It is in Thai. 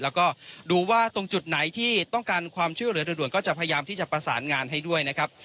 แล้วก็ดูว่าตรงจุดไหนที่ต้องการความช่วยเหลือโดยด่วนก็จะพยายามที่จะประสานงานให้ด้วยนะครับ